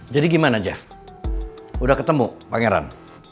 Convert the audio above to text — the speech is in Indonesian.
jadi gimana jeff udah ketemu pangeran